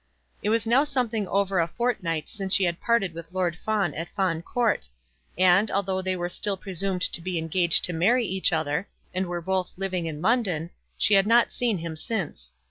It was now something over a fortnight since she had parted with Lord Fawn at Fawn Court; and, although they were still presumed to be engaged to marry each other, and were both living in London, she had not seen him since.